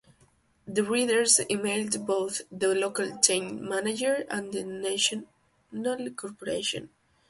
The readers emailed both the local chain manager and the national corporation.